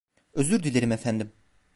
Özür dilerim efendim.